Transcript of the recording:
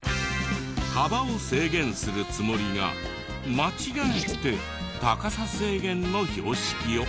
幅を制限するつもりが間違えて高さ制限の標識を。